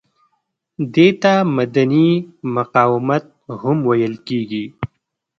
دې ته مدني مقاومت هم ویل کیږي.